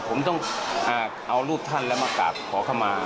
ผมต้องเอารูปท่านแล้วมากราบขอเข้ามา